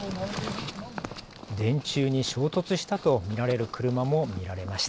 電柱に衝突したと見られる車も見られました。